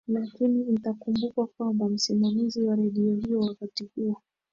lakini itakumbukwa kwamba msimamizi wa redio hiyo wakati huo